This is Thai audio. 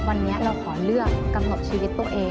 วันนี้เราขอเลือกกำหนดชีวิตตัวเอง